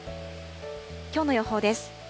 きょうの予報です。